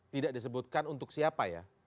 tidak disebutkan untuk siapa ya